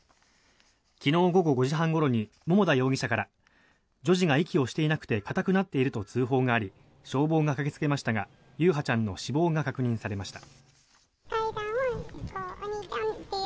昨日午後５時半ごろに桃田容疑者から女児が息をしていなくて固くなっていると通報があり消防が駆けつけましたが優陽ちゃんの死亡が確認されました。